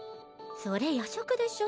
それ夜食でしょ？